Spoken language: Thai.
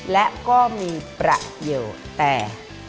และก็มีประโยคแต่